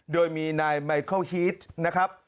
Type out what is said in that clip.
โดยมีนายไมเคิลฮีสนะครับ